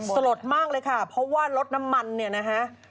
สลดมากเลยค่ะเพราะว่ารถน้ำมันเนี่ยนะฮะ